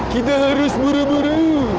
kita harus buru buru